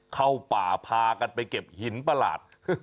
เข้าป่าพากันไปเก็บหินประหลาด